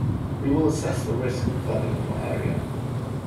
We will assess the risk of flooding in your area.